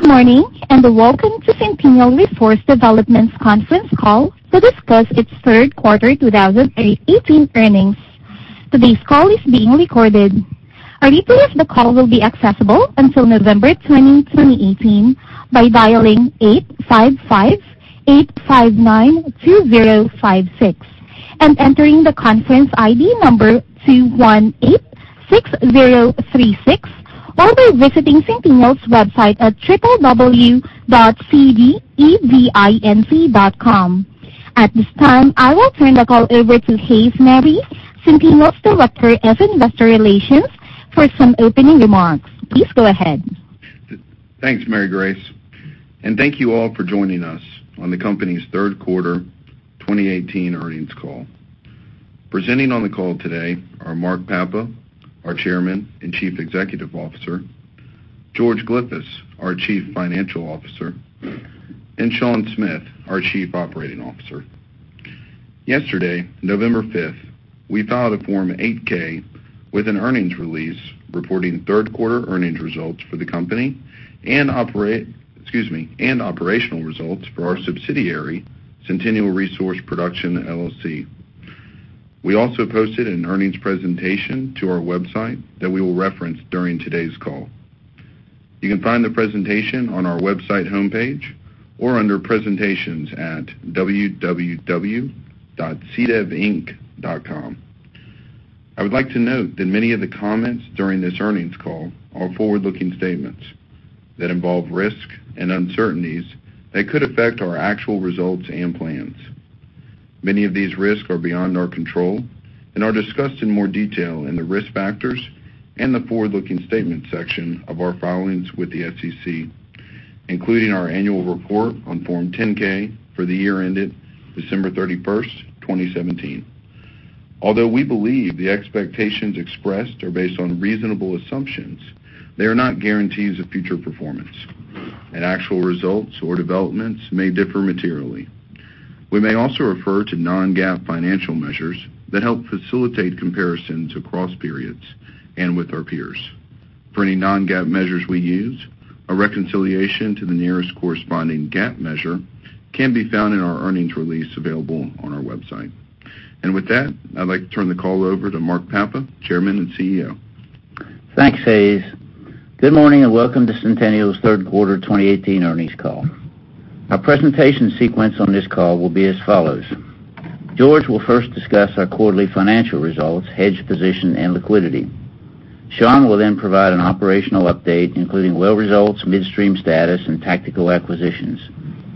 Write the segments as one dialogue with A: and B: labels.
A: Good morning. Welcome to Centennial Resource Development's conference call to discuss its third quarter 2018 earnings. Today's call is being recorded. A replay of the call will be accessible until November 20, 2018 by dialing 855-859-2056 and entering the conference ID number 2186036, or by visiting Centennial's website at www.cdevinc.com. At this time, I will turn the call over to Hays Mabry, Centennial's Director of Investor Relations, for some opening remarks. Please go ahead.
B: Thanks, Mary Grace. Thank you all for joining us on the company's third quarter 2018 earnings call. Presenting on the call today are Mark Papa, our Chairman and Chief Executive Officer, George Glyphis, our Chief Financial Officer, and Sean Smith, our Chief Operating Officer. Yesterday, November 5, we filed a Form 8-K with an earnings release reporting third-quarter earnings results for the company and operational results for our subsidiary, Centennial Resource Production, LLC. We also posted an earnings presentation to our website that we will reference during today's call. You can find the presentation on our website homepage or under presentations at www.cdevinc.com. I would like to note that many of the comments during this earnings call are forward-looking statements that involve risks and uncertainties that could affect our actual results and plans. Many of these risks are beyond our control and are discussed in more detail in the risk factors and the forward-looking statement section of our filings with the SEC, including our annual report on Form 10-K for the year ended December 31, 2017. Although we believe the expectations expressed are based on reasonable assumptions, they are not guarantees of future performance, and actual results or developments may differ materially. We may also refer to non-GAAP financial measures that help facilitate comparisons across periods and with our peers. For any non-GAAP measures we use, a reconciliation to the nearest corresponding GAAP measure can be found in our earnings release available on our website. With that, I'd like to turn the call over to Mark Papa, Chairman and CEO.
C: Thanks, Hays. Good morning. Welcome to Centennial's third quarter 2018 earnings call. Our presentation sequence on this call will be as follows. George will first discuss our quarterly financial results, hedge position, and liquidity. Sean will then provide an operational update, including well results, midstream status, and tactical acquisitions.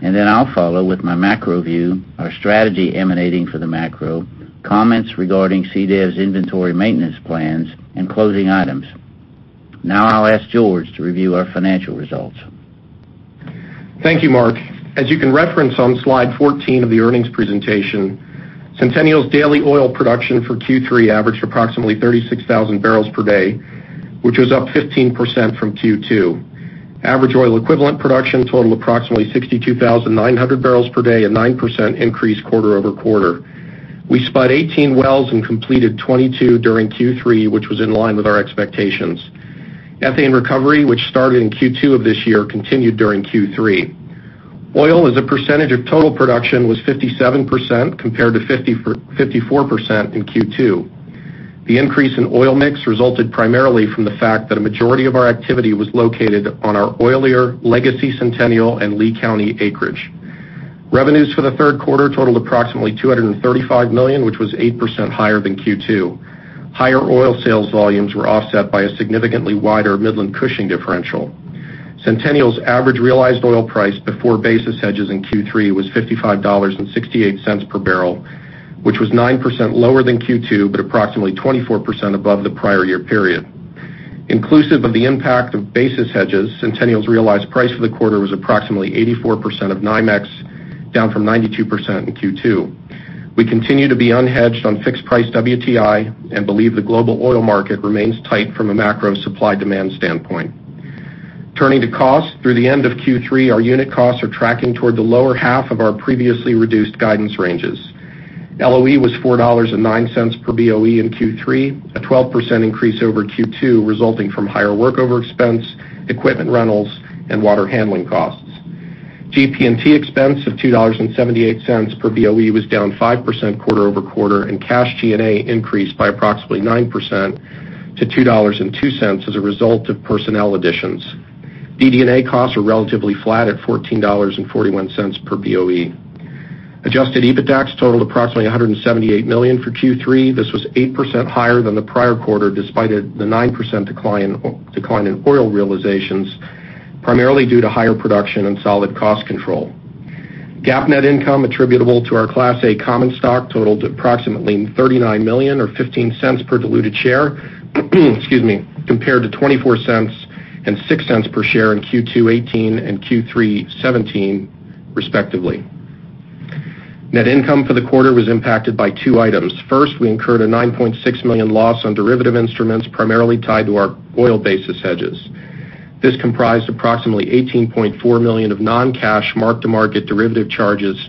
C: Then I'll follow with my macro view, our strategy emanating for the macro, comments regarding CDEV's inventory maintenance plans, and closing items. Now I'll ask George to review our financial results.
D: Thank you, Mark. As you can reference on slide 14 of the earnings presentation, Centennial's daily oil production for Q3 averaged approximately 36,000 barrels per day, which was up 15% from Q2. Average oil equivalent production totaled approximately 62,900 barrels per day, a 9% increase quarter-over-quarter. We spud 18 wells and completed 22 during Q3, which was in line with our expectations. Ethane recovery, which started in Q2 of this year, continued during Q3. Oil as a percentage of total production was 57% compared to 54% in Q2. The increase in oil mix resulted primarily from the fact that a majority of our activity was located on our oilier legacy Centennial and Lea County acreage. Revenues for the third quarter totaled approximately $235 million, which was 8% higher than Q2. Higher oil sales volumes were offset by a significantly wider Midland Cushing differential. Centennial's average realized oil price before basis hedges in Q3 was $55.68 per barrel, which was 9% lower than Q2, but approximately 24% above the prior year period. Inclusive of the impact of basis hedges, Centennial's realized price for the quarter was approximately 84% of NYMEX, down from 92% in Q2. We continue to be unhedged on fixed price WTI and believe the global oil market remains tight from a macro supply-demand standpoint. Turning to cost, through the end of Q3, our unit costs are tracking toward the lower half of our previously reduced guidance ranges. LOE was $4.09 per BOE in Q3, a 12% increase over Q2 resulting from higher workover expense, equipment rentals, and water handling costs. GP&T expense of $2.78 per BOE was down 5% quarter-over-quarter, and cash G&A increased by approximately 9% to $2.02 as a result of personnel additions. DD&A costs are relatively flat at $14.41 per BOE. Adjusted EBITDAX totaled approximately $178 million for Q3. This was 8% higher than the prior quarter despite the 9% decline in oil realizations, primarily due to higher production and solid cost control. GAAP net income attributable to our Class A common stock totaled approximately $39 million, or $0.15 per diluted share, compared to $0.24 and $0.06 per share in Q2 2018 and Q3 2017, respectively. Net income for the quarter was impacted by two items. First, we incurred a $9.6 million loss on derivative instruments primarily tied to our oil basis hedges. This comprised approximately $18.4 million of non-cash mark-to-market derivative charges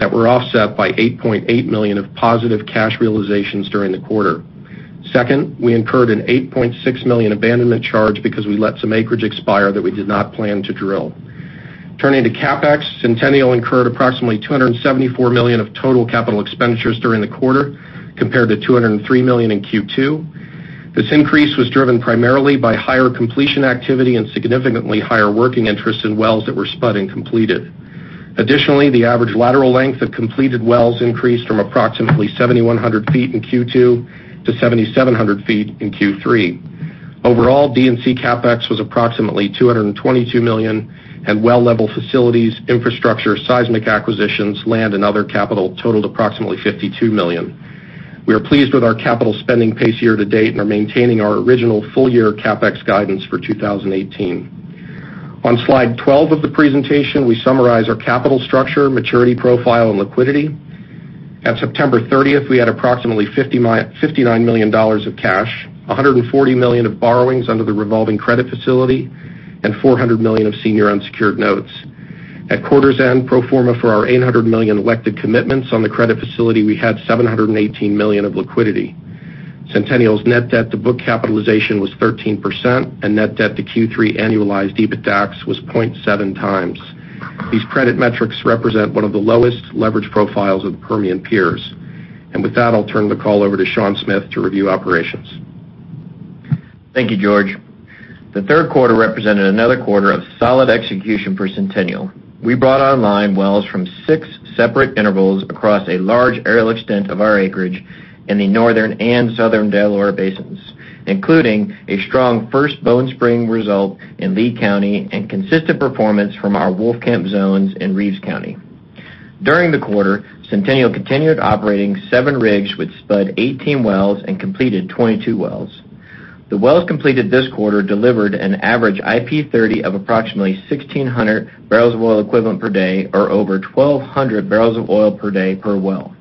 D: that were offset by $8.8 million of positive cash realizations during the quarter. Second, we incurred an $8.6 million abandonment charge because we let some acreage expire that we did not plan to drill. Turning to CapEx, Centennial incurred approximately $274 million of total capital expenditures during the quarter compared to $203 million in Q2. This increase was driven primarily by higher completion activity and significantly higher working interest in wells that were spud and completed. Additionally, the average lateral length of completed wells increased from approximately 7,100 feet in Q2 to 7,700 feet in Q3. Overall, D&C CapEx was approximately $222 million and well level facilities, infrastructure, seismic acquisitions, land, and other capital totaled approximately $52 million. We are pleased with our capital spending pace year to date and are maintaining our original full year CapEx guidance for 2018. On slide 12 of the presentation, we summarize our capital structure, maturity profile, and liquidity. At September 30th, we had approximately $59 million of cash, $140 million of borrowings under the revolving credit facility, and $400 million of senior unsecured notes. At quarter's end pro forma for our $800 million elected commitments on the credit facility, we had $718 million of liquidity. Centennial's net debt to book capitalization was 13%, and net debt to Q3 annualized EBITDAX was 0.7 times. These credit metrics represent one of the lowest leverage profiles of the Permian peers. With that, I'll turn the call over to Sean Smith to review operations.
E: Thank you, George. The third quarter represented another quarter of solid execution for Centennial. We brought online wells from six separate intervals across a large aerial extent of our acreage in the Northern and Southern Delaware Basins, including a strong First Bone Spring result in Lea County and consistent performance from our Wolfcamp zones in Reeves County. During the quarter, Centennial continued operating seven rigs which spud 18 wells and completed 22 wells. The wells completed this quarter delivered an average IP 30 of approximately 1,600 barrels of oil equivalent per day, or over 1,200 barrels of oil per day per well.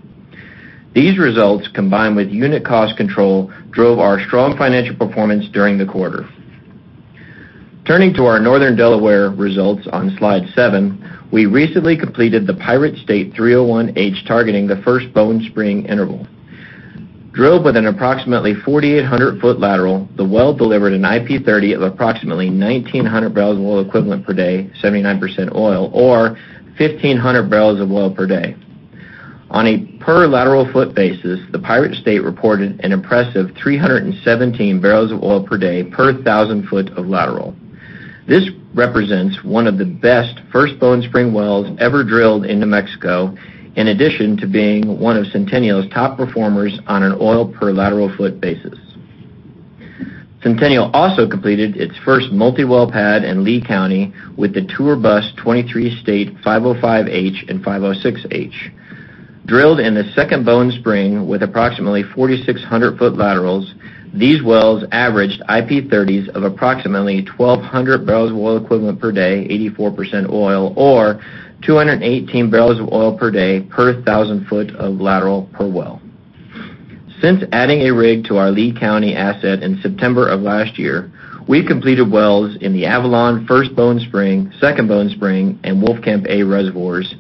E: These results, combined with unit cost control, drove our strong financial performance during the quarter. Turning to our Northern Delaware results on slide seven, we recently completed the Pirate State 301H targeting the First Bone Spring interval. Drilled with an approximately 4,800-foot lateral, the well delivered an IP 30 of approximately 1,900 barrels of oil equivalent per day, 79% oil, or 1,500 barrels of oil per day. On a per lateral foot basis, the Pirate State reported an impressive 317 barrels of oil per day per 1,000 foot of lateral. This represents one of the best First Bone Spring wells ever drilled in New Mexico, in addition to being one of Centennial's top performers on an oil per lateral foot basis. Centennial also completed its first multi-well pad in Lea County with the Tour Bus 23 State 505H and 506H. Drilled in the Second Bone Spring with approximately 4,600-foot laterals, these wells averaged IP 30s of approximately 1,200 barrels of oil equivalent per day, 84% oil, or 218 barrels of oil per day per 1,000 foot of lateral per well. Since adding a rig to our Lea County asset in September of last year, we've completed wells in the Avalon First Bone Spring, Second Bone Spring, and Wolfcamp A reservoirs,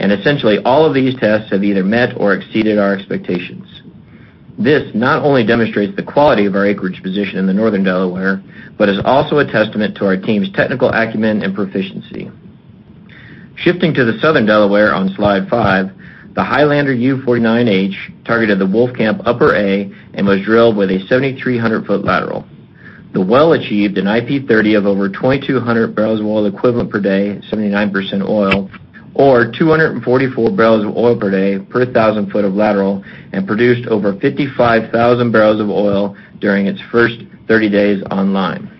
E: essentially all of these tests have either met or exceeded our expectations. This not only demonstrates the quality of our acreage position in the Northern Delaware, but is also a testament to our team's technical acumen and proficiency. Shifting to the Southern Delaware on Slide five, the Highlander U49H targeted the Wolfcamp Upper A and was drilled with a 7,300-foot lateral. The well achieved an IP 30 of over 2,200 barrels of oil equivalent per day, 79% oil, or 244 barrels of oil per day per 1,000 foot of lateral and produced over 55,000 barrels of oil during its first 30 days online.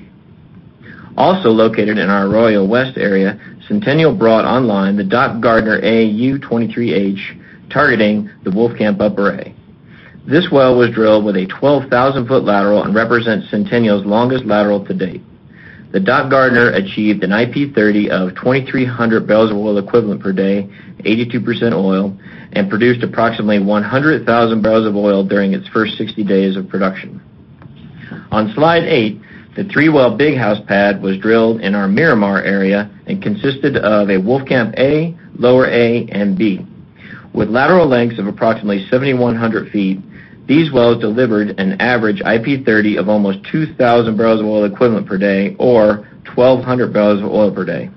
E: Also located in our Royal West area, Centennial brought online the Doc Gardner A U23H targeting the Wolfcamp Upper A. This well was drilled with a 12,000-foot lateral and represents Centennial's longest lateral to date. The Doc Gardner achieved an IP 30 of 2,300 barrels of oil equivalent per day, 82% oil, and produced approximately 100,000 barrels of oil during its first 60 days of production. On slide eight, the three-well Big House pad was drilled in our Miramar area and consisted of a Wolfcamp A, Lower A, and B. With lateral lengths of approximately 7,100 feet, these wells delivered an average IP 30 of almost 2,000 barrels of oil equivalent per day, or 1,200 barrels of oil per day.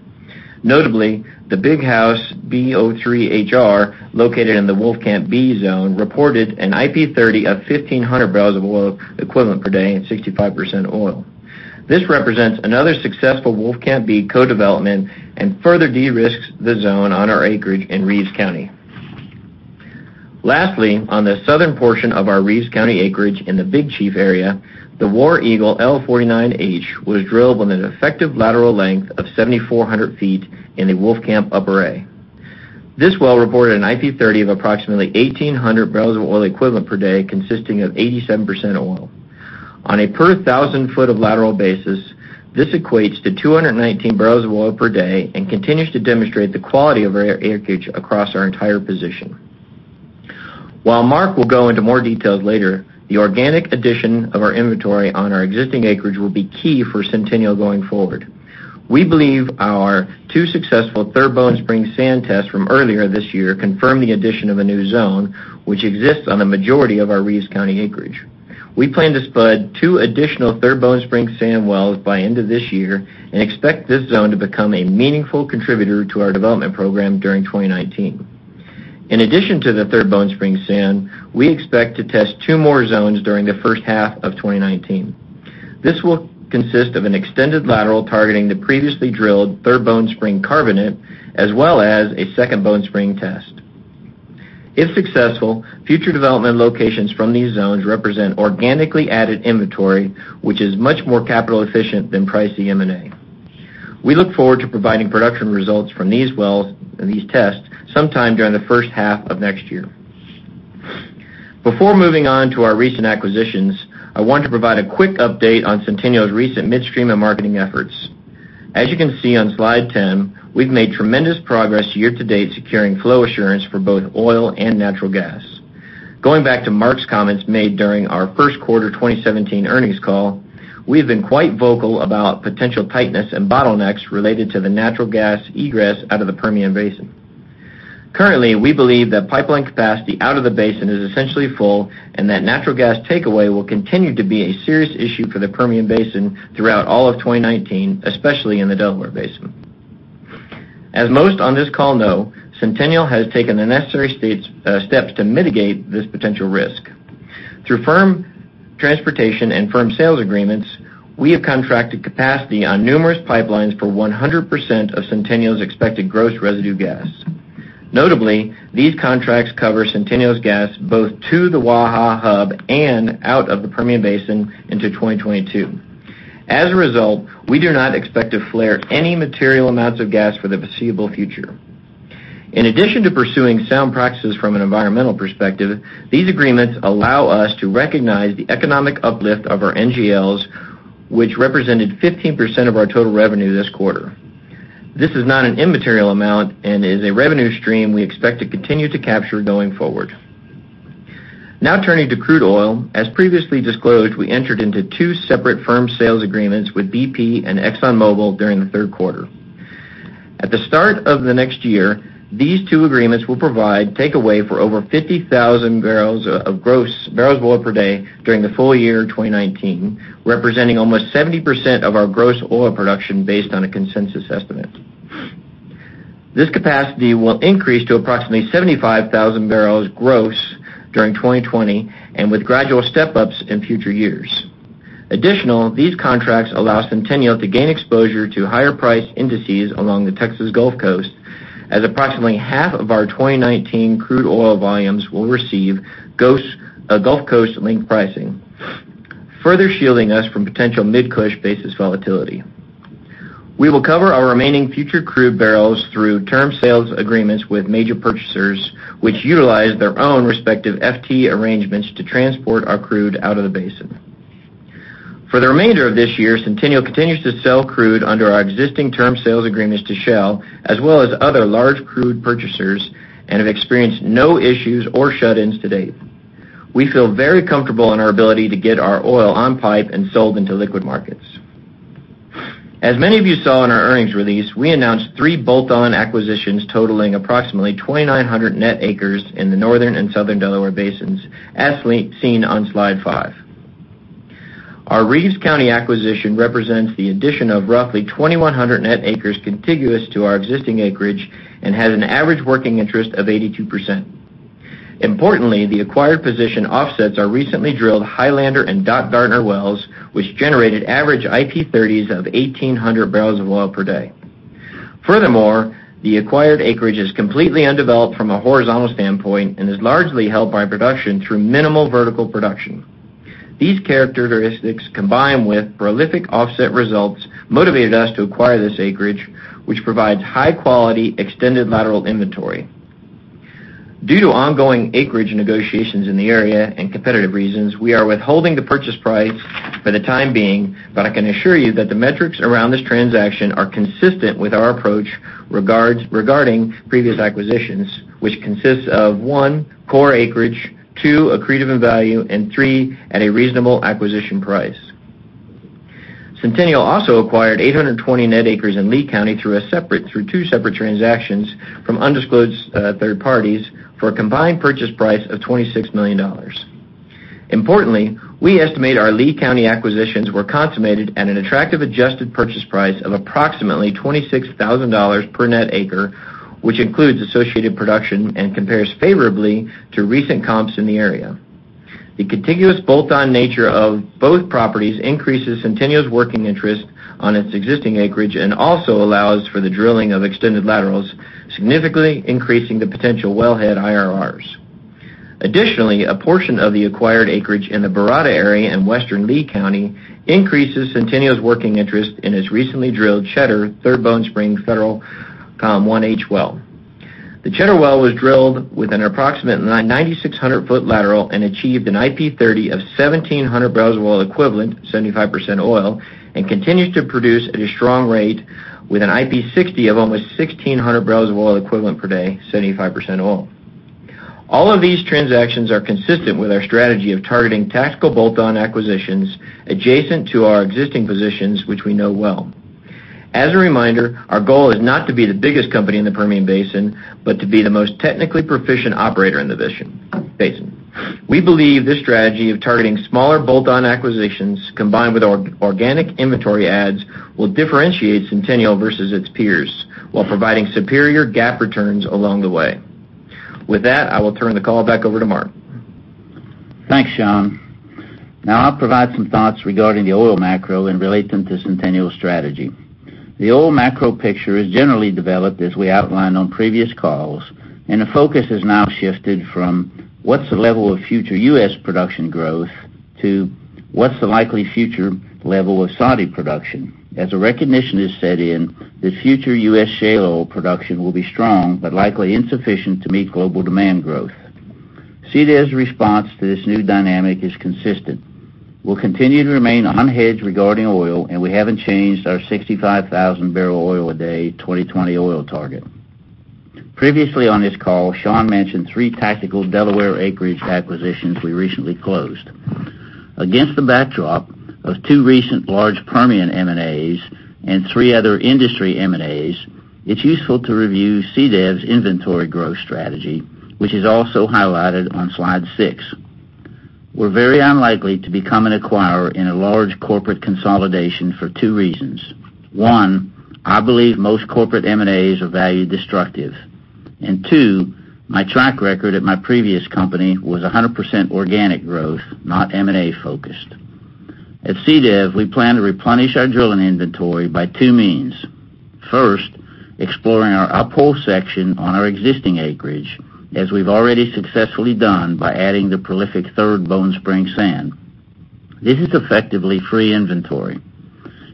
E: Notably, the Big House B03HR, located in the Wolfcamp B zone, reported an IP 30 of 1,500 barrels of oil equivalent per day and 65% oil. This represents another successful Wolfcamp B co-development and further de-risks the zone on our acreage in Reeves County. Lastly, on the southern portion of our Reeves County acreage in the Big Chief area, the War Eagle L49H was drilled with an effective lateral length of 7,400 feet in the Wolfcamp Upper A. This well reported an IP 30 of approximately 1,800 barrels of oil equivalent per day, consisting of 87% oil. On a per 1,000 foot of lateral basis, this equates to 219 barrels of oil per day and continues to demonstrate the quality of our acreage across our entire position. While Mark will go into more details later, the organic addition of our inventory on our existing acreage will be key for Centennial going forward. We believe our two successful Third Bone Spring sand tests from earlier this year confirm the addition of a new zone, which exists on a majority of our Reeves County acreage. We plan to spud two additional Third Bone Spring sand wells by end of this year and expect this zone to become a meaningful contributor to our development program during 2019. In addition to the Third Bone Spring sand, we expect to test two more zones during the first half of 2019. This will consist of an extended lateral targeting the previously drilled Third Bone Spring carbonate, as well as a Second Bone Spring test. If successful, future development locations from these zones represent organically added inventory, which is much more capital efficient than pricey M&A. We look forward to providing production results from these tests sometime during the first half of next year. Before moving on to our recent acquisitions, I want to provide a quick update on Centennial's recent midstream and marketing efforts. As you can see on slide 10, we've made tremendous progress year to date securing flow assurance for both oil and natural gas. Going back to Mark's comments made during our first quarter 2017 earnings call, we have been quite vocal about potential tightness and bottlenecks related to the natural gas egress out of the Permian Basin. Currently, we believe that pipeline capacity out of the basin is essentially full, and that natural gas takeaway will continue to be a serious issue for the Permian Basin throughout all of 2019, especially in the Delaware Basin. As most on this call know, Centennial has taken the necessary steps to mitigate this potential risk. Through firm transportation and firm sales agreements, we have contracted capacity on numerous pipelines for 100% of Centennial's expected gross residue gas. Notably, these contracts cover Centennial's gas both to the WAHA hub and out of the Permian Basin into 2022. As a result, we do not expect to flare any material amounts of gas for the foreseeable future. In addition to pursuing sound practices from an environmental perspective, these agreements allow us to recognize the economic uplift of our NGLs, which represented 15% of our total revenue this quarter. This is not an immaterial amount and is a revenue stream we expect to continue to capture going forward. Now turning to crude oil. As previously disclosed, we entered into two separate firm sales agreements with BP and ExxonMobil during the third quarter. At the start of the next year, these two agreements will provide takeaway for over 50,000 gross barrels of oil per day during the full year 2019, representing almost 70% of our gross oil production based on a consensus estimate. This capacity will increase to approximately 75,000 barrels gross during 2020 and with gradual step-ups in future years. Additionally, these contracts allow Centennial to gain exposure to higher price indices along the Texas Gulf Coast, as approximately half of our 2019 crude oil volumes will receive Gulf Coast linked pricing, further shielding us from potential Mid-Cush basis volatility. We will cover our remaining future crude barrels through term sales agreements with major purchasers, which utilize their own respective FT arrangements to transport our crude out of the basin. For the remainder of this year, Centennial continues to sell crude under our existing term sales agreements to Shell, as well as other large crude purchasers, and have experienced no issues or shut-ins to date. We feel very comfortable in our ability to get our oil on pipe and sold into liquid markets. As many of you saw in our earnings release, we announced three bolt-on acquisitions totaling approximately 2,900 net acres in the Northern and Southern Delaware Basins, as seen on slide five. Our Reeves County acquisition represents the addition of roughly 2,100 net acres contiguous to our existing acreage and has an average working interest of 82%. Importantly, the acquired position offsets our recently drilled Highlander and Doc Gardner wells, which generated average IP30s of 1,800 barrels of oil per day. The acquired acreage is completely undeveloped from a horizontal standpoint and is largely held by production through minimal vertical production. These characteristics, combined with prolific offset results, motivated us to acquire this acreage, which provides high-quality extended lateral inventory. Due to ongoing acreage negotiations in the area and competitive reasons, we are withholding the purchase price for the time being, but I can assure you that the metrics around this transaction are consistent with our approach regarding previous acquisitions, which consists of, one, core acreage, two, accretive in value, and three, at a reasonable acquisition price. Centennial also acquired 820 net acres in Lea County through two separate transactions from undisclosed third parties for a combined purchase price of $26 million. Importantly, we estimate our Lea County acquisitions were consummated at an attractive adjusted purchase price of approximately $26,000 per net acre, which includes associated production and compares favorably to recent comps in the area. The contiguous bolt-on nature of both properties increases Centennial's working interest on its existing acreage and also allows for the drilling of extended laterals, significantly increasing the potential wellhead IRRs. Additionally, a portion of the acquired acreage in the Barnett area in Western Lea County increases Centennial's working interest in its recently drilled Cheddar Third Bone Spring Federal Com 1H well. The Cheddar well was drilled with an approximate 9,600-foot lateral and achieved an IP30 of 1,700 barrels of oil equivalent, 75% oil, and continues to produce at a strong rate with an IP60 of almost 1,600 barrels of oil equivalent per day, 75% oil. All of these transactions are consistent with our strategy of targeting tactical bolt-on acquisitions adjacent to our existing positions, which we know well. As a reminder, our goal is not to be the biggest company in the Permian Basin, but to be the most technically proficient operator in the basin. We believe this strategy of targeting smaller bolt-on acquisitions, combined with organic inventory adds, will differentiate Centennial versus its peers while providing superior GAAP returns along the way. With that, I will turn the call back over to Mark.
C: Thanks, Sean. Now I'll provide some thoughts regarding the oil macro and relate them to Centennial's strategy. The oil macro picture has generally developed as we outlined on previous calls, and the focus has now shifted from what's the level of future U.S. production growth to what's the likely future level of Saudi production. As a recognition has set in that future U.S. shale oil production will be strong but likely insufficient to meet global demand growth. CDEV's response to this new dynamic is consistent. We'll continue to remain unhedged regarding oil, and we haven't changed our 65,000 barrel oil a day 2020 oil target. Previously on this call, Sean mentioned three tactical Delaware acreage acquisitions we recently closed. Against the backdrop of two recent large Permian M&As and three other industry M&As, it's useful to review CDEV's inventory growth strategy, which is also highlighted on slide six. We're very unlikely to become an acquirer in a large corporate consolidation for two reasons. One, I believe most corporate M&As are value destructive, and two, my track record at my previous company was 100% organic growth, not M&A focused. At CDEV, we plan to replenish our drilling inventory by two means. First, exploring our uphole section on our existing acreage, as we've already successfully done by adding the prolific Third Bone Spring sand. This is effectively free inventory.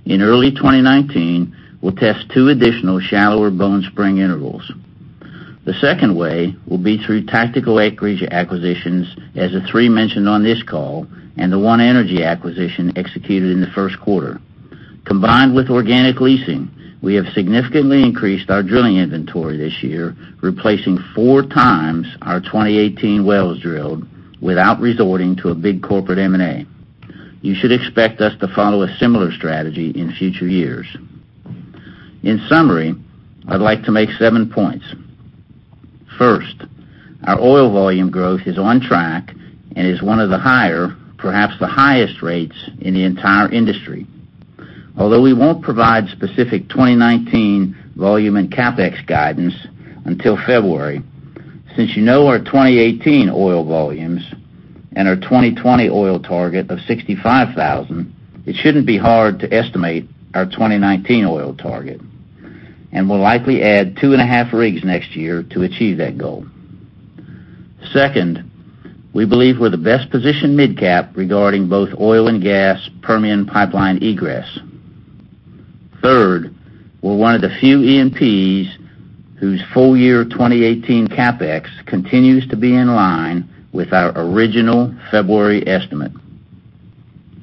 C: In early 2019, we'll test two additional shallower Bone Spring intervals. The second way will be through tactical acreage acquisitions, as the three mentioned on this call and the OneEnergy acquisition executed in the first quarter. Combined with organic leasing, we have significantly increased our drilling inventory this year, replacing four times our 2018 wells drilled without resorting to a big corporate M&A. You should expect us to follow a similar strategy in future years. In summary, I'd like to make seven points. First, our oil volume growth is on track and is one of the higher, perhaps the highest rates in the entire industry. Although we won't provide specific 2019 volume and CapEx guidance until February, since you know our 2018 oil volumes and our 2020 oil target of 65,000, it shouldn't be hard to estimate our 2019 oil target, and we'll likely add two and a half rigs next year to achieve that goal. Second, we believe we're the best positioned mid-cap regarding both oil and gas Permian pipeline egress. Third, we're one of the few E&Ps whose full year 2018 CapEx continues to be in line with our original February estimate.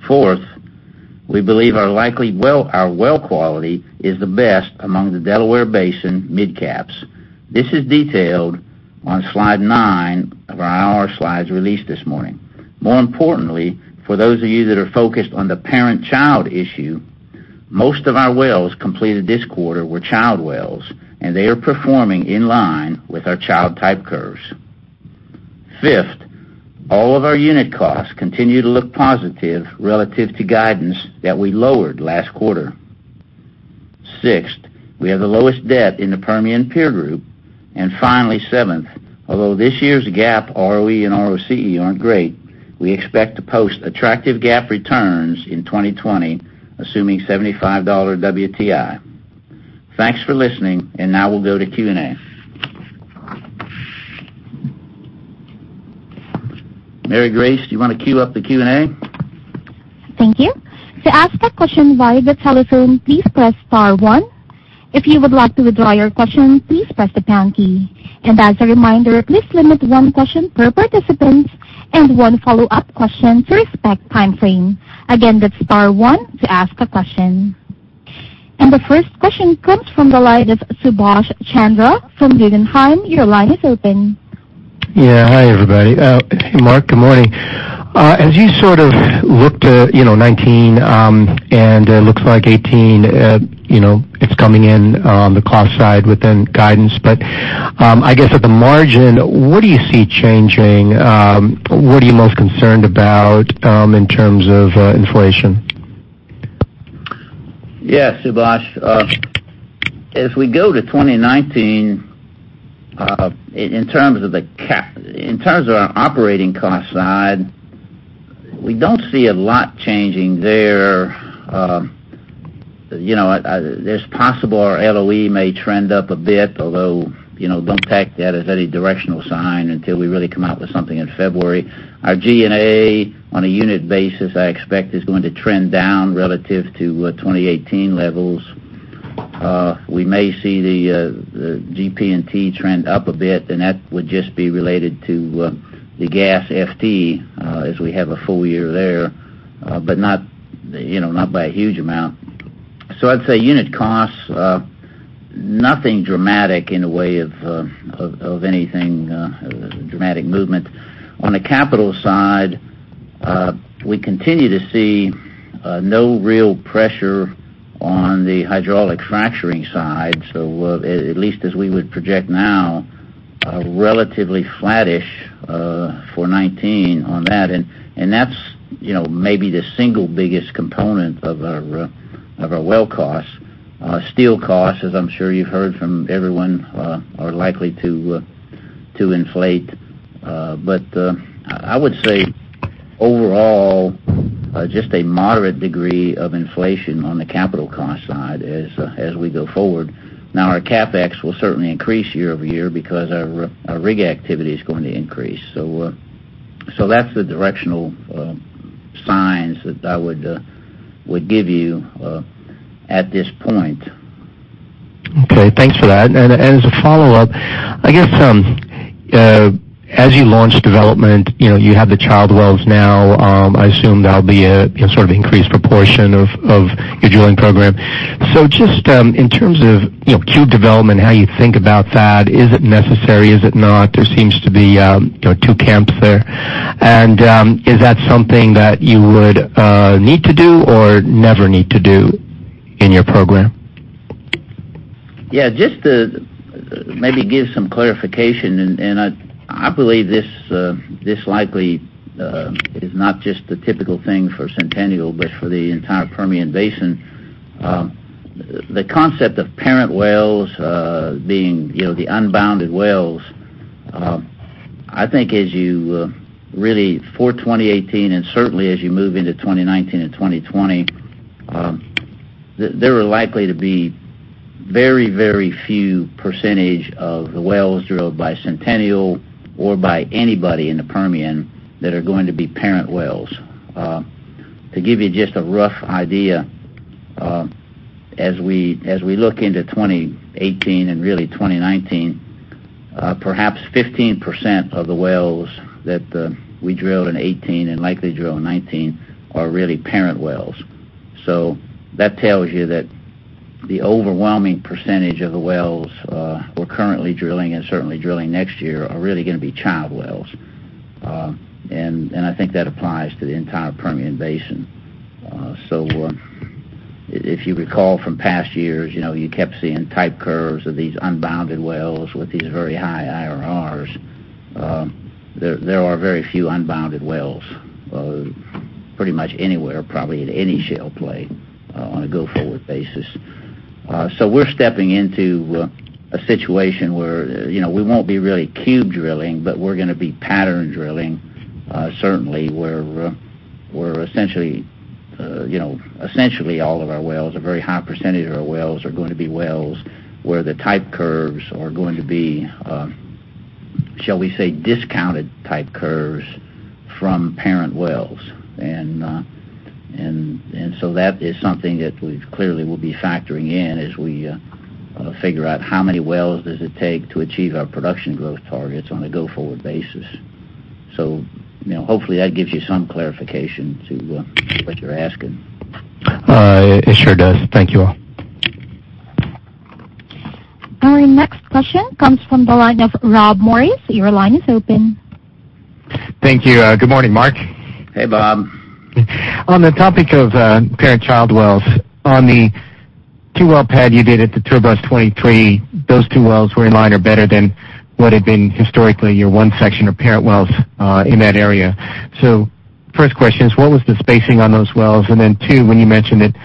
C: Fourth, we believe our well quality is the best among the Delaware Basin mid-caps. This is detailed on slide nine of our slides released this morning. More importantly, for those of you that are focused on the parent-child issue, most of our wells completed this quarter were child wells, and they are performing in line with our child type curves. Fifth, all of our unit costs continue to look positive relative to guidance that we lowered last quarter. Sixth, we have the lowest debt in the Permian peer group. Finally, seventh, although this year's GAAP ROE and ROCE aren't great, we expect to post attractive GAAP returns in 2020, assuming $75 WTI. Thanks for listening, now we'll go to Q&A. Mary Grace, do you want to queue up the Q&A?
A: Thank you. To ask a question via the telephone, please press star one. If you would like to withdraw your question, please press the pound key. As a reminder, please limit one question per participant and one follow-up question to respect timeframe. Again, that's star one to ask a question. The first question comes from the line of Subash Chandra from Guggenheim. Your line is open.
F: Yeah. Hi, everybody. Mark, good morning. As you sort of looked at 2019, and it looks like 2018, it's coming in on the cost side within guidance. I guess at the margin, what do you see changing? What are you most concerned about in terms of inflation?
C: Subash. We go to 2019, in terms of our operating cost side, we don't see a lot changing there. It's possible our LOE may trend up a bit, although don't take that as any directional sign until we really come out with something in February. Our G&A on a unit basis, I expect, is going to trend down relative to 2018 levels. We may see the GP&T trend up a bit, and that would just be related to the gas FT as we have a full year there, but not by a huge amount. I'd say unit costs. Nothing dramatic in the way of anything, dramatic movement. On the capital side, we continue to see no real pressure on the hydraulic fracturing side. At least as we would project now, relatively flattish for 2019 on that. That's maybe the single biggest component of our well costs. Steel costs, as I'm sure you've heard from everyone, are likely to inflate. I would say overall, just a moderate degree of inflation on the capital cost side as we go forward. Our CapEx will certainly increase year-over-year because our rig activity is going to increase. That's the directional signs that I would give you at this point.
F: Okay. Thanks for that. As a follow-up, I guess, as you launch development, you have the child wells now. I assume that'll be a sort of increased proportion of your drilling program. Just in terms of cube development, how you think about that, is it necessary, is it not? There seems to be two camps there. Is that something that you would need to do or never need to do in your program?
C: Yeah, just to maybe give some clarification. I believe this likely is not just the typical thing for Centennial, but for the entire Permian Basin. The concept of parent wells being the unbounded wells, I think as you really, for 2018, certainly as you move into 2019 and 2020, there are likely to be very few percentage of the wells drilled by Centennial or by anybody in the Permian that are going to be parent wells. To give you just a rough idea, as we look into 2018 really 2019, perhaps 15% of the wells that we drill in 2018 and likely drill in 2019 are really parent wells. That tells you that the overwhelming percentage of the wells we're currently drilling and certainly drilling next year are really going to be child wells. I think that applies to the entire Permian Basin. If you recall from past years, you kept seeing type curves of these unbounded wells with these very high IRRs. There are very few unbounded wells, pretty much anywhere, probably at any shale play on a go-forward basis. We're stepping into a situation where we won't be really cube drilling, but we're going to be pattern drilling, certainly where essentially all of our wells, a very high percentage of our wells are going to be wells where the type curves are going to be, shall we say, discounted type curves from parent wells. That is something that we clearly will be factoring in as we figure out how many wells does it take to achieve our production growth targets on a go-forward basis. Hopefully, that gives you some clarification to what you're asking.
F: It sure does. Thank you.
A: Our next question comes from the line of Rob Morris. Your line is open.
G: Thank you. Good morning, Mark.
C: Hey, Bob.
G: On the topic of parent child wells, on the two-well pad you did at the Tour Bus 23, those two wells were in line or better than what had been historically your one section of parent wells in that area. First question is, what was the spacing on those wells? Then two, when you mentioned that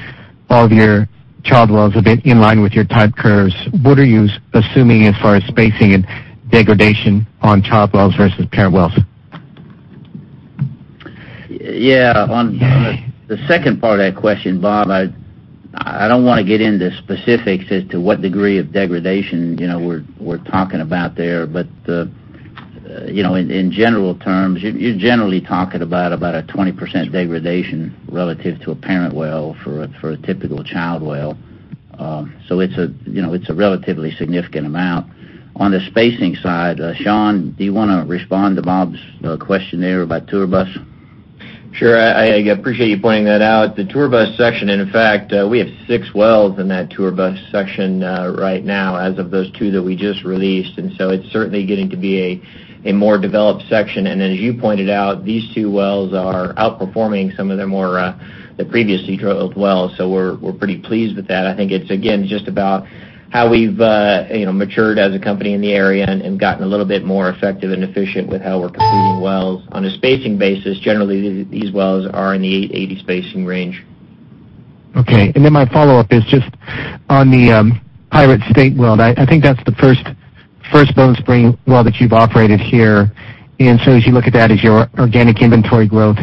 G: all of your child wells have been in line with your type curves, what are you assuming as far as spacing and degradation on child wells versus parent wells?
C: Yeah. On the second part of that question, Bob, I don't want to get into specifics as to what degree of degradation we're talking about there. In general terms, you're generally talking about a 20% degradation relative to a parent well for a typical child well. It's a relatively significant amount. On the spacing side, Sean, do you want to respond to Bob's question there about Tour Bus?
E: Sure. I appreciate you pointing that out. The Tour Bus section, in fact, we have six wells in that Tour Bus section right now as of those two that we just released, it's certainly getting to be a more developed section. As you pointed out, these two wells are outperforming some of the previously drilled wells. We're pretty pleased with that. I think it's, again, just about how we've matured as a company in the area and gotten a little bit more effective and efficient with how we're completing wells. On a spacing basis, generally, these wells are in the 880 spacing range.
G: Okay. Then my follow-up is just on the Pirate State well. I think that's the First Bone Spring well that you've operated here. So as you look at that as your organic inventory growth,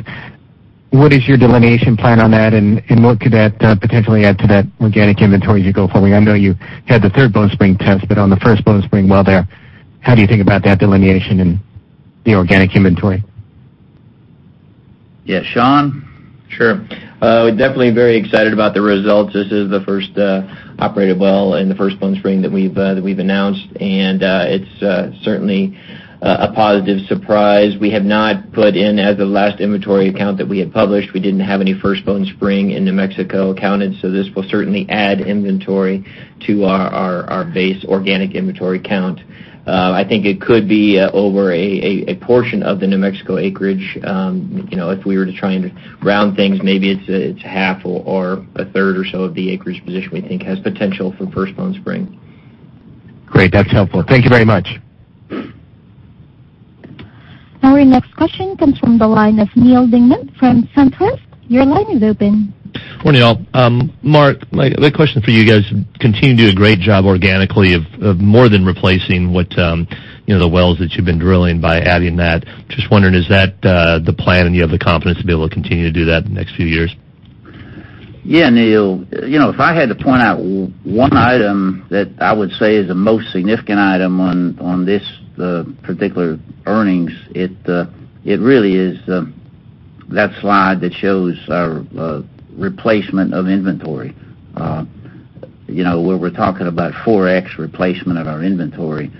G: what is your delineation plan on that, and what could that potentially add to that organic inventory as you go forward? I know you had the Third Bone Spring test, but on the First Bone Spring well there, how do you think about that delineation and the organic inventory?
C: Yeah. Sean?
E: Sure. We're definitely very excited about the results. This is the first operated well and the First Bone Spring that we've announced, it's certainly a positive surprise. We have not put in as of last inventory count that we had published, we didn't have any First Bone Spring in New Mexico counted, this will certainly add inventory to our base organic inventory count. I think it could be over a portion of the New Mexico acreage. If we were to try and round things, maybe it's half or a third or so of the acreage position we think has potential for First Bone Spring.
C: Great. That's helpful. Thank you very much.
A: Our next question comes from the line of Neal Dingmann from SunTrust. Your line is open.
H: Morning, all. Mark, the question for you guys, continue to do a great job organically of more than replacing the wells that you've been drilling by adding that. Just wondering, is that the plan and you have the confidence to be able to continue to do that in the next few years?
C: Yeah, Neal. If I had to point out one item that I would say is the most significant item on this particular earnings, it really is that slide that shows our replacement of inventory where we're talking about 4x replacement of our inventory.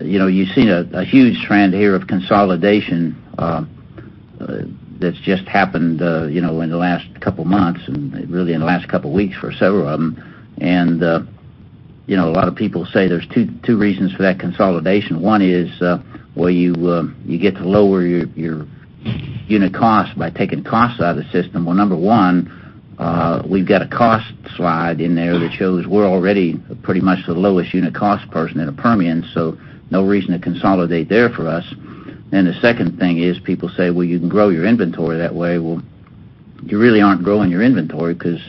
C: You've seen a huge trend here of consolidation that's just happened in the last couple of months, and really in the last couple of weeks for several of them. A lot of people say there's two reasons for that consolidation. One is where you get to lower your unit cost by taking costs out of the system. Well, number one, we've got a cost slide in there that shows we're already pretty much the lowest unit cost person in the Permian, so no reason to consolidate there for us. The second thing is people say, "Well, you can grow your inventory that way." Well, you really aren't growing your inventory because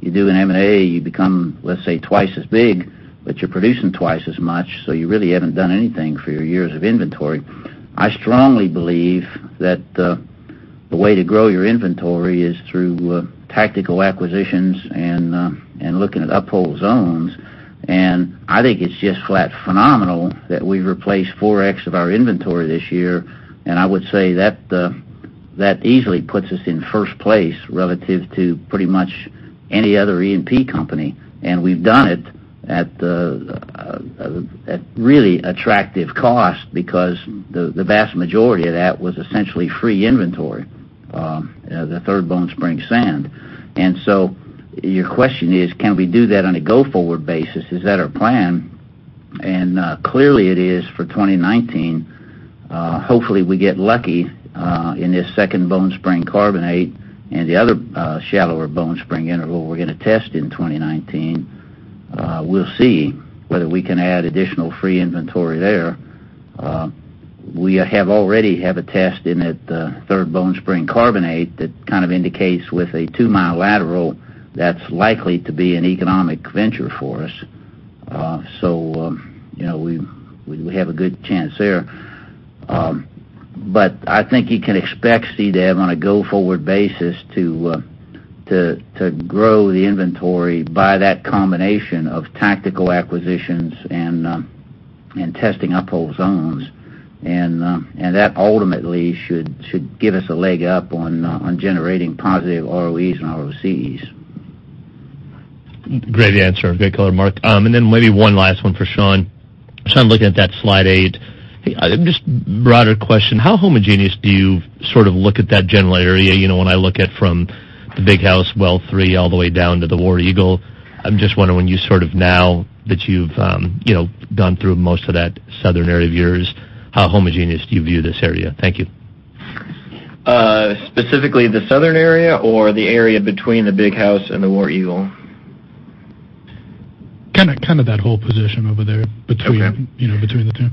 C: you do an M&A, you become, let's say, twice as big, but you're producing twice as much, so you really haven't done anything for your years of inventory. I strongly believe that the way to grow your inventory is through tactical acquisitions and looking at undeveloped zones. I think it's just flat phenomenal that we've replaced 4x of our inventory this year, and I would say that easily puts us in first place relative to pretty much any other E&P company. We've done it at really attractive cost because the vast majority of that was essentially free inventory, the Third Bone Spring sand. Your question is, can we do that on a go forward basis? Is that our plan? Clearly it is for 2019. Hopefully, we get lucky in this Second Bone Spring carbonate and the other shallower Bone Spring interval we're going to test in 2019. We'll see whether we can add additional free inventory there. We have already have a test in that Third Bone Spring carbonate that kind of indicates with a two-mile lateral, that's likely to be an economic venture for us. We have a good chance there. I think you can expect CDEV on a go forward basis to grow the inventory by that combination of tactical acquisitions and testing up-hole zones. That ultimately should give us a leg up on generating positive ROEs and ROCs.
H: Great answer. Great color, Mark. Maybe one last one for Sean. Sean, looking at that slide eight, just broader question, how homogeneous do you sort of look at that general area? When I look at from the Big House well three all the way down to the War Eagle, I'm just wondering when you sort of now that you've gone through most of that southern area of yours, how homogeneous do you view this area? Thank you.
E: Specifically the southern area or the area between the Big House and the War Eagle?
H: Kind of that whole position over there between the two.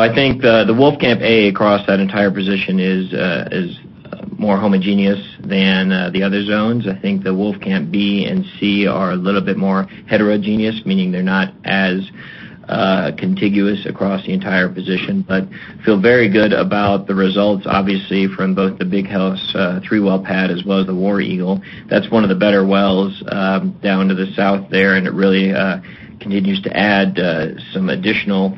E: I think the Wolfcamp A across that entire position is more homogeneous than the other zones. I think the Wolfcamp B and C are a little bit more heterogeneous, meaning they're not as contiguous across the entire position. Feel very good about the results, obviously, from both the Big House 3 well pad as well as the War Eagle. That's one of the better wells down to the south there, and it really continues to add some additional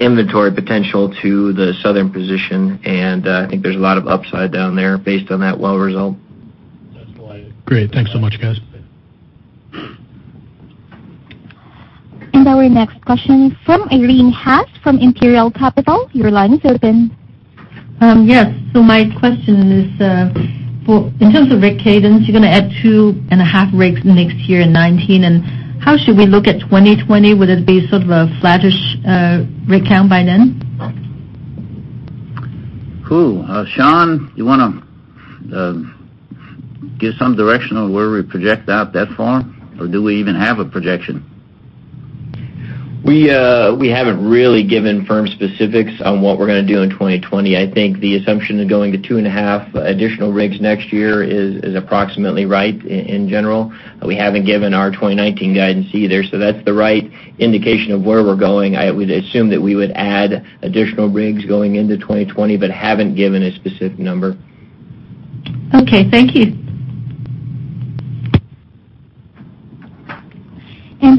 E: inventory potential to the southern position, and I think there's a lot of upside down there based on that well result.
H: That's why. Great. Thanks so much, guys.
A: Our next question from Eileen Haas from Imperial Capital. Your line is open.
I: Yes. My question is, in terms of rig cadence, you're going to add two and a half rigs next year in 2019, how should we look at 2020? Would it be sort of a flattish rig count by then?
C: Sean, do you want to give some direction on where we project out that far, or do we even have a projection?
E: We haven't really given firm specifics on what we're going to do in 2020. I think the assumption of going to two and a half additional rigs next year is approximately right in general. We haven't given our 2019 guidance either. That's the right indication of where we're going. I would assume that we would add additional rigs going into 2020, haven't given a specific number.
I: Okay. Thank you.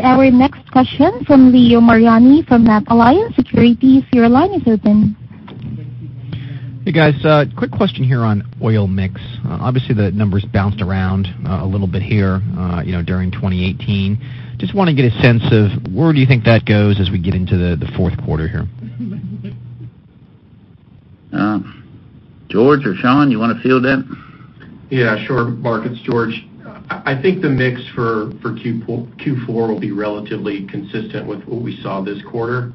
A: Our next question from Leo Mariani from NatAlliance Securities, your line is open.
J: Hey, guys. Quick question here on oil mix. Obviously, the numbers bounced around a little bit here during 2018. Just want to get a sense of where do you think that goes as we get into the fourth quarter here?
C: George or Sean, you want to field that?
D: Yeah, sure. Mark, it's George. I think the mix for Q4 will be relatively consistent with what we saw this quarter.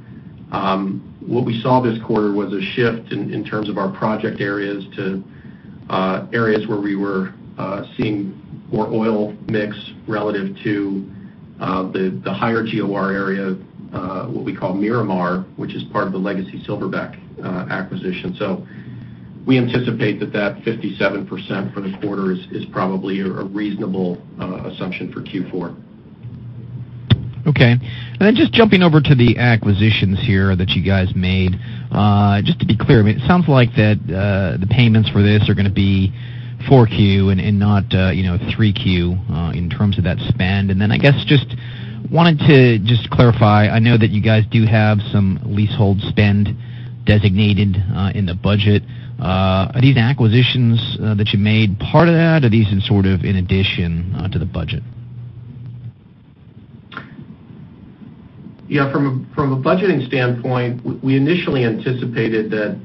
D: What we saw this quarter was a shift in terms of our project areas to areas where we were seeing more oil mix relative to the higher GOR area, what we call Miramar, which is part of the legacy Silverback acquisition. We anticipate that 57% for the quarter is probably a reasonable assumption for Q4.
J: Okay. Just jumping over to the acquisitions here that you guys made. Just to be clear, it sounds like that the payments for this are going to be 4Q and not 3Q in terms of that spend. I guess, just wanted to just clarify, I know that you guys do have some leasehold spend designated in the budget. Are these acquisitions that you made part of that, or are these in addition to the budget?
D: From a budgeting standpoint, we initially anticipated that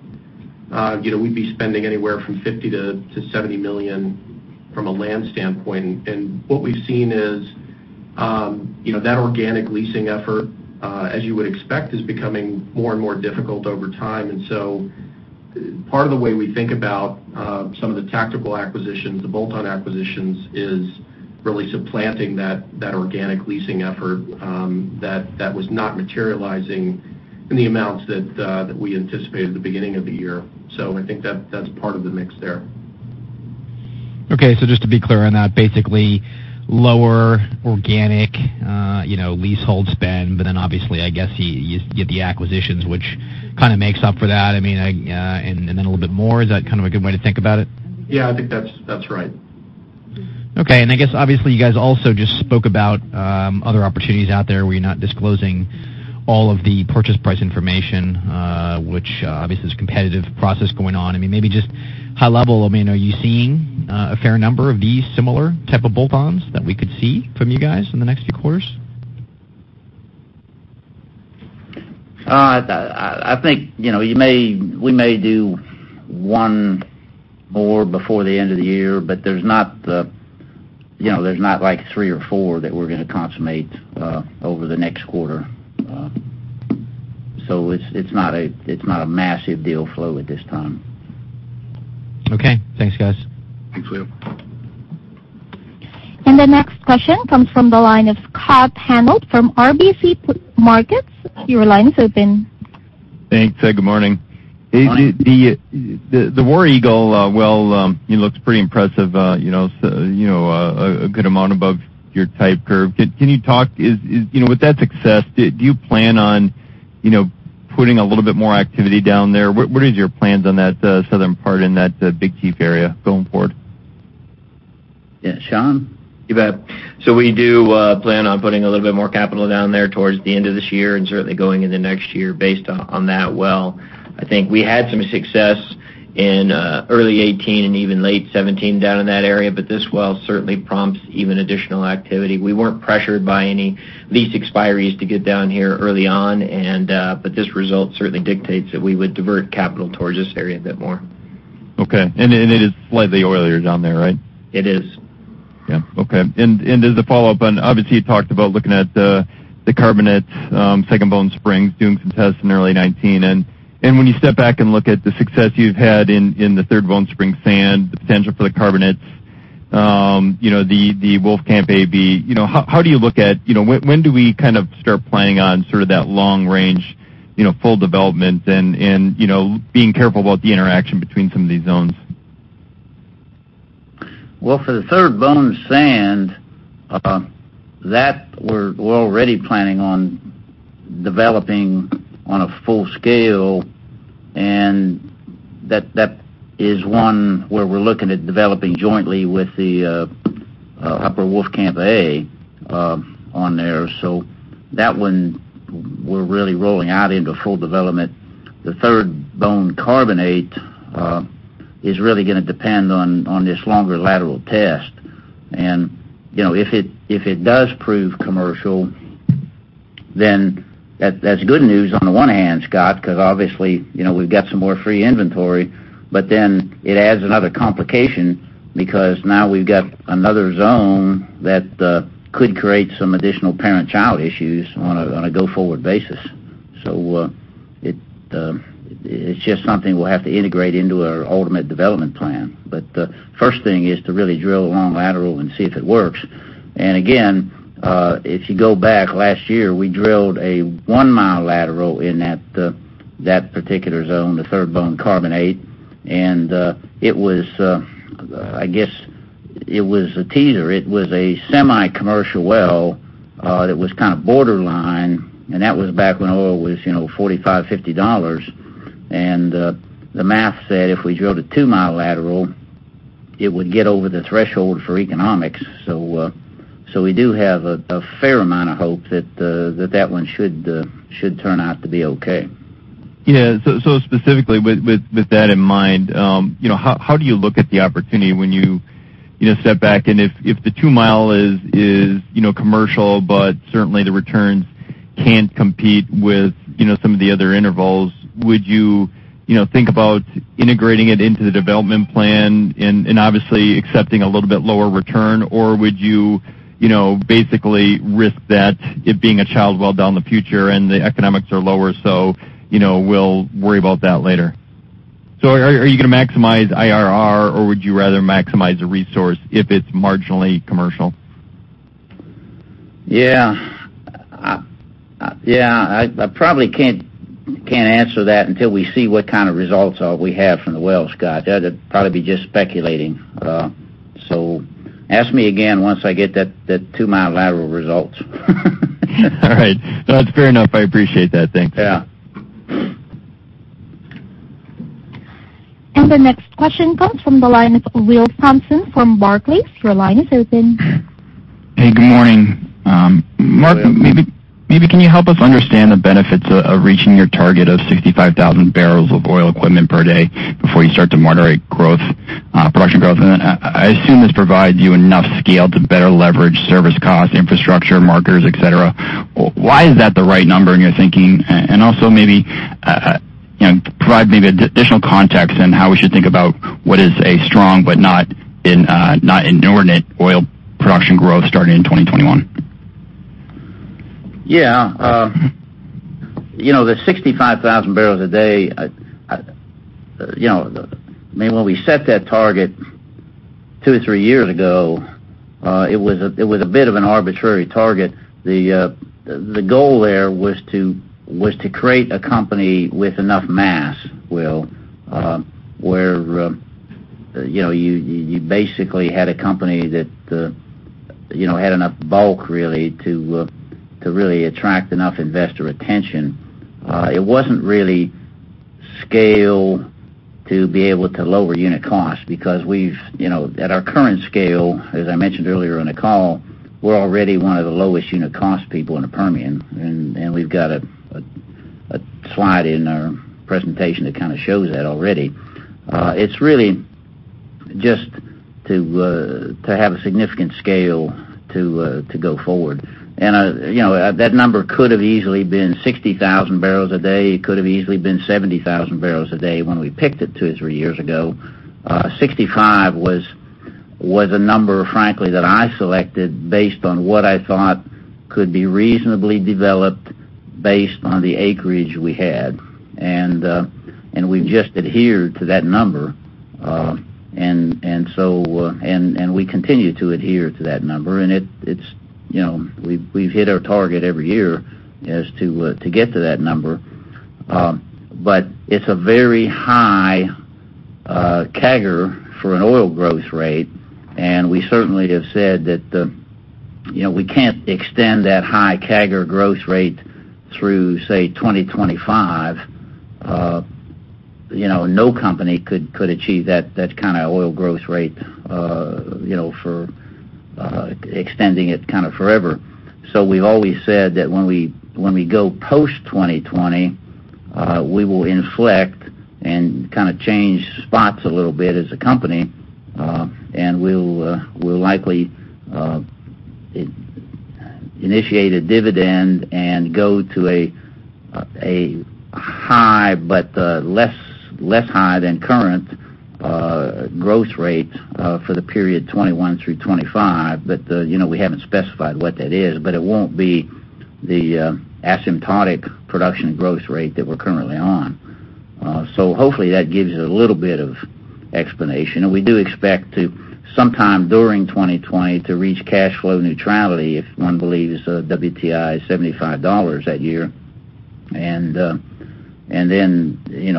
D: we'd be spending anywhere from $50 million to $70 million from a land standpoint. What we've seen is that organic leasing effort, as you would expect, is becoming more and more difficult over time. Part of the way we think about some of the tactical acquisitions, the bolt-on acquisitions, is really supplanting that organic leasing effort that was not materializing in the amounts that we anticipated at the beginning of the year. I think that's part of the mix there.
J: Okay. Just to be clear on that, basically lower organic leasehold spend, obviously, I guess you get the acquisitions, which kind of makes up for that, and then a little bit more. Is that kind of a good way to think about it?
D: Yeah, I think that's right.
J: Okay. I guess obviously you guys also just spoke about other opportunities out there where you're not disclosing all of the purchase price information, which obviously is a competitive process going on. Maybe just high level, are you seeing a fair number of these similar type of bolt-ons that we could see from you guys in the next few quarters?
C: I think we may do one more before the end of the year, but there's not three or four that we're going to consummate over the next quarter. It's not a massive deal flow at this time.
J: Okay. Thanks, guys.
D: Thanks, Leo.
A: The next question comes from the line of Scott Hanold from RBC Markets. Your line is open.
K: Thanks. Good morning.
C: Morning.
K: The War Eagle well looks pretty impressive, a good amount above your type curve. With that success, do you plan on putting a little bit more activity down there? What is your plans on that southern part in that Big Chief area going forward?
C: Yeah. Sean?
E: You bet. We do plan on putting a little bit more capital down there towards the end of this year and certainly going into next year based on that well. I think we had some success in early 2018 and even late 2017 down in that area, but this well certainly prompts even additional activity. We weren't pressured by any lease expiries to get down here early on, but this result certainly dictates that we would divert capital towards this area a bit more.
K: Okay. It is slightly oilier down there, right?
E: It is.
K: Yeah. Okay. As a follow-up on, obviously, you talked about looking at the carbonates, Second Bone Spring, doing some tests in early 2019. When you step back and look at the success you've had in the Third Bone Spring sand, the potential for the carbonates, the Wolfcamp AB, when do we start planning on sort of that long-range full development and being careful about the interaction between some of these zones?
C: Well, for the Third Bone sand, that we're already planning on developing on a full scale, that is one where we're looking at developing jointly with the Upper Wolfcamp A on there. That one we're really rolling out into full development. The Third Bone carbonate is really going to depend on this longer lateral test. If it does prove commercial, that's good news on the one hand, Scott, because obviously, we've got some more free inventory, it adds another complication because now we've got another zone that could create some additional parent-child issues on a go-forward basis. It's just something we'll have to integrate into our ultimate development plan. The first thing is to really drill a long lateral and see if it works. Again, if you go back last year, we drilled a one-mile lateral in that particular zone, the Third Bone Spring carbonate. I guess it was a teaser. It was a semi-commercial well that was kind of borderline, and that was back when oil was $45, $50. The math said if we drilled a two-mile lateral, it would get over the threshold for economics. We do have a fair amount of hope that one should turn out to be okay.
K: Yeah. Specifically with that in mind, how do you look at the opportunity when you step back and if the two mile is commercial, but certainly the returns can't compete with some of the other intervals, would you think about integrating it into the development plan and obviously accepting a little bit lower return? Or would you basically risk that it being a child well down the future and the economics are lower, so, we'll worry about that later? Are you going to maximize IRR or would you rather maximize the resource if it's marginally commercial?
C: Yeah. I probably can't answer that until we see what kind of results we have from the well, Scott. That'd probably be just speculating. Ask me again once I get that two-mile lateral results.
K: All right. That's fair enough. I appreciate that. Thank you.
C: Yeah.
A: The next question comes from the line of Will Thompson from Barclays. Your line is open.
L: Hey, good morning. Mark, maybe can you help us understand the benefits of reaching your target of 65,000 barrels of oil equivalent per day before you start to moderate production growth? I assume this provides you enough scale to better leverage service costs, infrastructure, marketers, et cetera. Why is that the right number in your thinking? Also maybe provide additional context on how we should think about what is a strong but not inordinate oil production growth starting in 2021.
C: Yeah. The 65,000 barrels a day, when we set that target two or three years ago, it was a bit of an arbitrary target. The goal there was to create a company with enough mass, Will, where you basically had a company that had enough bulk really to attract enough investor attention. It wasn't really scale to be able to lower unit cost because at our current scale, as I mentioned earlier in the call, we're already one of the lowest unit cost people in the Permian, and we've got a slide in our presentation that shows that already. It's really just to have a significant scale to go forward. That number could've easily been 60,000 barrels a day. It could've easily been 70,000 barrels a day when we picked it two or three years ago. 65 was a number, frankly, that I selected based on what I thought could be reasonably developed based on the acreage we had. We've just adhered to that number. We continue to adhere to that number, and we've hit our target every year as to get to that number. It's a very high CAGR for an oil growth rate, and we certainly have said that we can't extend that high CAGR growth rate through, say, 2025. No company could achieve that kind of oil growth rate for extending it forever. We've always said that when we go post-2020, we will inflect and change spots a little bit as a company, and we'll likely initiate a dividend and go to a high, but less high than current, growth rate, for the period 2021 through 2025. We haven't specified what that is, but it won't be the asymptotic production growth rate that we're currently on. Hopefully that gives you a little bit of explanation. We do expect to, sometime during 2020, to reach cash flow neutrality if one believes WTI is $75 that year.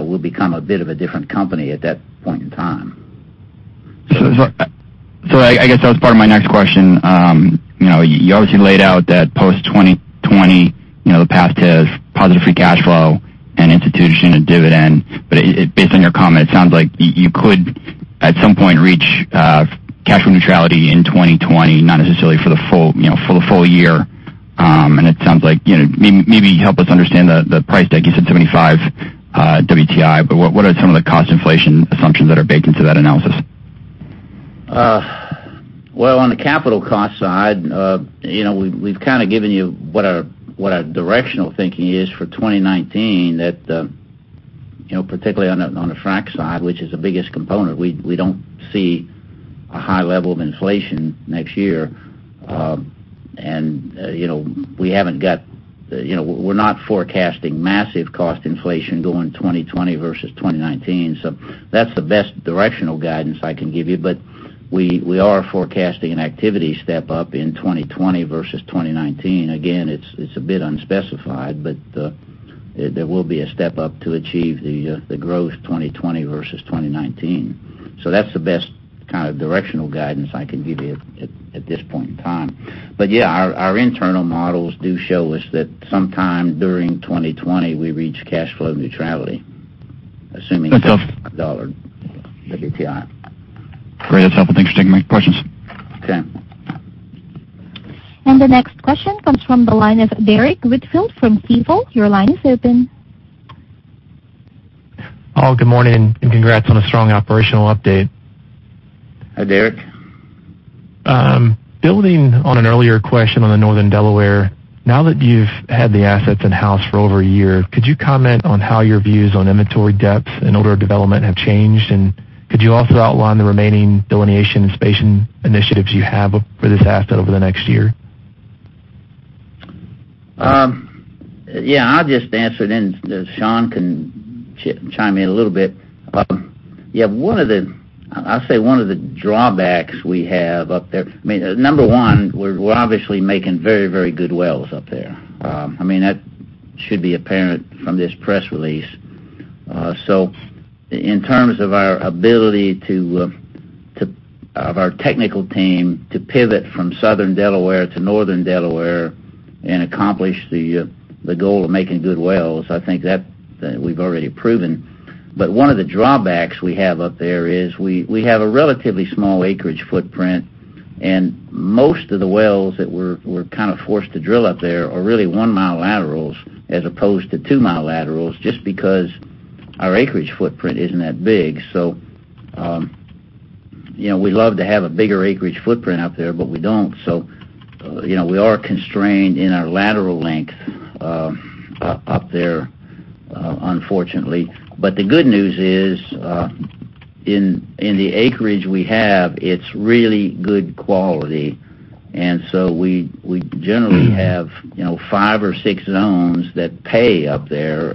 C: We'll become a bit of a different company at that point in time.
L: I guess that was part of my next question. You obviously laid out that post-2020, the path to positive free cash flow and institution a dividend, but based on your comment, it sounds like you could, at some point, reach cash flow neutrality in 2020, not necessarily for the full year. It sounds like, maybe help us understand the price tag. You said $75 WTI, but what are some of the cost inflation assumptions that are baked into that analysis?
C: On the capital cost side, we've given you what our directional thinking is for 2019 that, particularly on the frack side, which is the biggest component, we don't see a high level of inflation next year. We're not forecasting massive cost inflation going 2020 versus 2019. That's the best directional guidance I can give you. We are forecasting an activity step-up in 2020 versus 2019. Again, it's a bit unspecified, but there will be a step-up to achieve the growth 2020 versus 2019. That's the best directional guidance I can give you at this point in time. Our internal models do show us that sometime during 2020, we reach cash flow neutrality, assuming $75 WTIWTI.
L: Great. That's helpful. Thanks for taking my questions.
C: Okay.
A: The next question comes from the line of Derrick Whitfield from Stifel. Your line is open.
M: Oh, good morning, and congrats on a strong operational update.
C: Hi, Derrick.
M: Building on an earlier question on the Northern Delaware, now that you've had the assets in-house for over a year, could you comment on how your views on inventory depth and order development have changed? Could you also outline the remaining delineation and spacing initiatives you have for this asset over the next year?
C: Yeah. I'll just answer, then Sean can chime in a little bit. Yeah. I'll say one of the drawbacks we have up there, number one, we're obviously making very, very good wells up there. That should be apparent from this press release. In terms of our ability of our technical team to pivot from Southern Delaware to Northern Delaware and accomplish the goal of making good wells, I think that we've already proven. One of the drawbacks we have up there is we have a relatively small acreage footprint, and most of the wells that we're forced to drill up there are really one-mile laterals as opposed to two-mile laterals, just because our acreage footprint isn't that big. We'd love to have a bigger acreage footprint up there, but we don't. We are constrained in our lateral length up there, unfortunately. The good news is, in the acreage we have, it's really good quality. We generally have five or six zones that pay up there,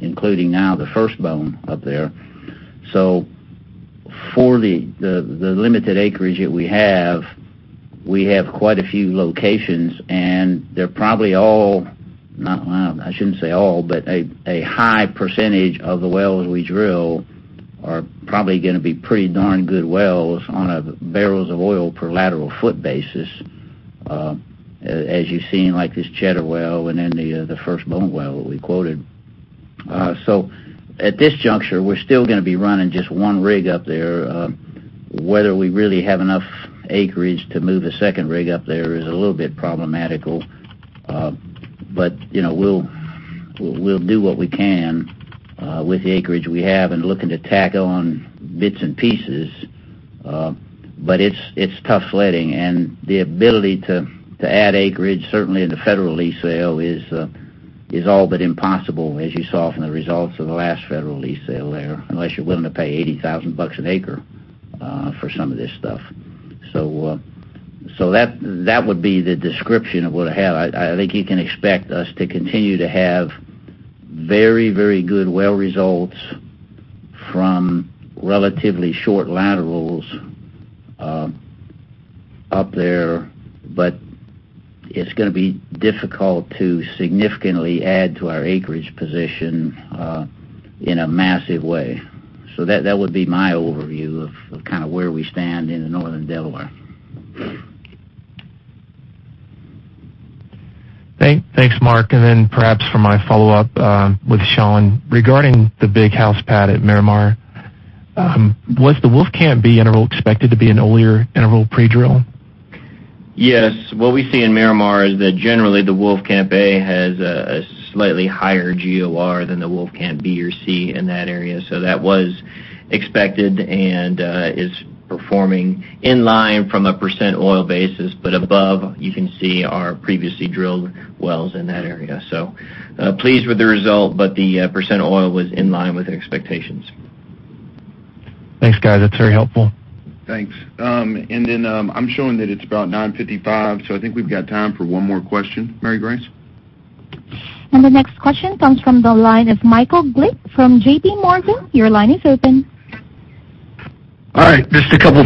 C: including now the First Bone up there. For the limited acreage that we have, we have quite a few locations, and they're probably all, I shouldn't say all, but a high percentage of the wells we drill are probably going to be pretty darn good wells on a barrels of oil per lateral foot basis, as you've seen, like this Cheddar well and then the First Bone well that we quoted. At this juncture, we're still going to be running just one rig up there. Whether we really have enough acreage to move a second rig up there is a little bit problematical. We'll do what we can with the acreage we have and looking to tack on bits and pieces. It's tough sledding, and the ability to add acreage, certainly in the federal lease sale, is all but impossible, as you saw from the results of the last federal lease sale there, unless you're willing to pay $80,000 an acre for some of this stuff. That would be the description of what I have. I think you can expect us to continue to have very, very good well results from relatively short laterals up there. It's going to be difficult to significantly add to our acreage position in a massive way. That would be my overview of where we stand in the Northern Delaware.
M: Thanks, Mark, perhaps for my follow-up with Sean. Regarding the Big House pad at Miramar, was the Wolfcamp B interval expected to be an oilier interval pre-drill?
E: Yes. What we see in Miramar is that generally the Wolfcamp A has a slightly higher GOR than the Wolfcamp B or C in that area. That was expected and is performing in line from a percent oil basis. Above, you can see our previously drilled wells in that area. Pleased with the result, but the percent oil was in line with expectations.
M: Thanks, guys. That's very helpful.
C: Thanks. I'm showing that it's about 9:55 A.M. I think we've got time for one more question. Mary Grace.
A: The next question comes from the line of Michael Glick from JPMorgan. Your line is open.
N: All right. Just a couple.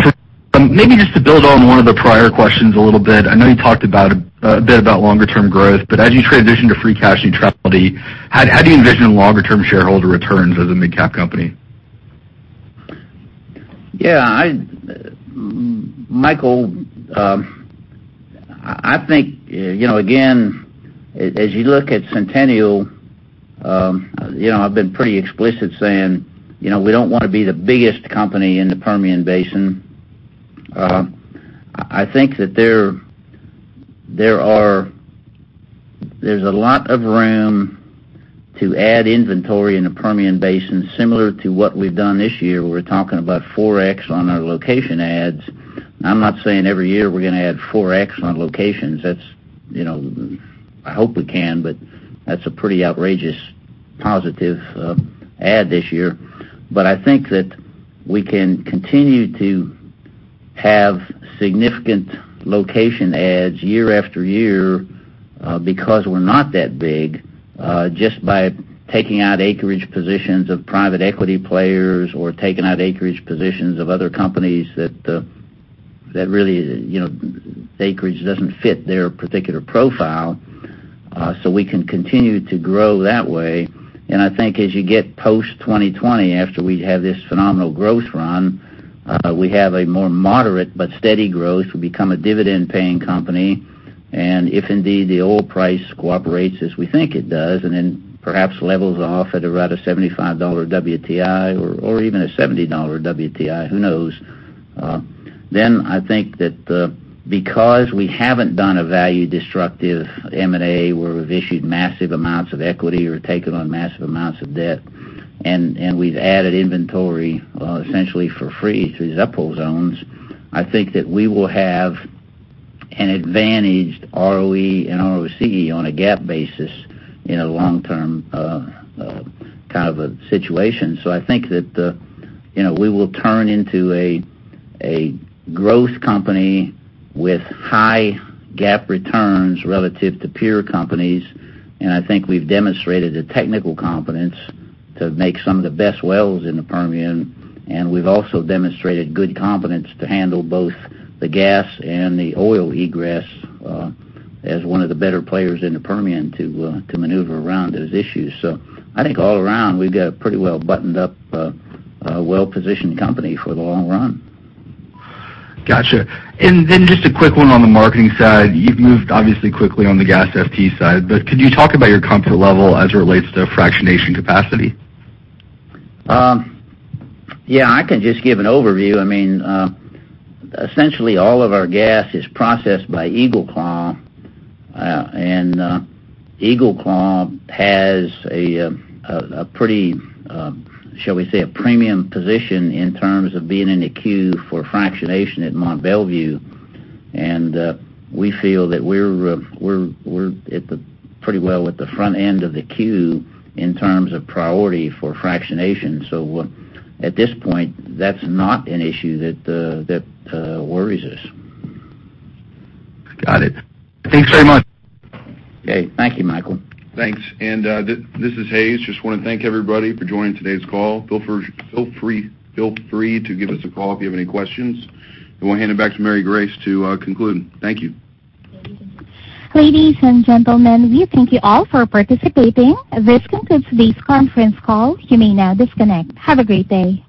N: Maybe just to build on one of the prior questions a little bit. I know you talked a bit about longer term growth, as you transition to free cash neutrality, how do you envision longer term shareholder returns as a mid-cap company?
C: Yeah, Michael, I think, again, as you look at Centennial, I've been pretty explicit saying, we don't want to be the biggest company in the Permian Basin. I think that there's a lot of room to add inventory in the Permian Basin, similar to what we've done this year. We're talking about 4x on our location adds. I'm not saying every year we're going to add 4x on locations. I hope we can, that's a pretty outrageous positive add this year. I think that we can continue to have significant location adds year after year because we're not that big, just by taking out acreage positions of private equity players or taking out acreage positions of other companies that really, the acreage doesn't fit their particular profile. We can continue to grow that way. I think as you get post 2020, after we have this phenomenal growth run, we have a more moderate but steady growth. We become a dividend-paying company. If indeed the oil price cooperates as we think it does, perhaps levels off at around a $75 WTI or even a $70 WTI, who knows? I think that because we haven't done a value-destructive M&A where we've issued massive amounts of equity or taken on massive amounts of debt, and we've added inventory essentially for free through these up-hole zones, I think that we will have an advantaged ROE and ROCE on a GAAP basis in a long-term kind of a situation. I think that we will turn into a growth company with high GAAP returns relative to peer companies, I think we've demonstrated the technical competence to make some of the best wells in the Permian, we've also demonstrated good competence to handle both the gas and the oil egress as one of the better players in the Permian to maneuver around those issues. I think all around, we've got a pretty well-buttoned-up, well-positioned company for the long run.
N: Got you. Just a quick one on the marketing side. You've moved obviously quickly on the gas FT side, but could you talk about your comfort level as it relates to fractionation capacity?
C: Yeah, I can just give an overview. Essentially, all of our gas is processed by EagleClaw, and EagleClaw has a pretty, shall we say, a premium position in terms of being in the queue for fractionation at Mont Belvieu. We feel that we're pretty well at the front end of the queue in terms of priority for fractionation. At this point, that's not an issue that worries us.
N: Got it. Thanks very much.
C: Okay. Thank you, Michael.
B: Thanks. This is Hays. Just want to thank everybody for joining today's call. Feel free to give us a call if you have any questions. We'll hand it back to Mary Grace to conclude. Thank you.
A: Ladies and gentlemen, we thank you all for participating. This concludes today's conference call. You may now disconnect. Have a great day.